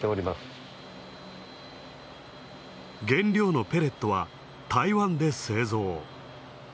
原料のペレットは、台湾で製造。